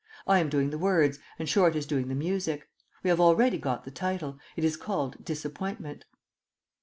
I am doing the words and Short is doing the music. We have already got the title; it is called 'Disappointment.'"